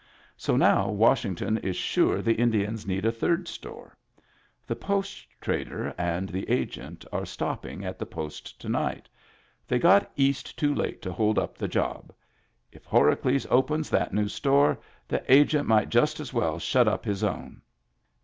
So now Washington is sure the Indians need a third store. The Post trader and the Agent are stopping at the Post to night. They got East too late to hold up the job. If Horacles opens that new store, the Agent might just as well shut up his own."